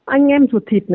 anh em ruột thịt này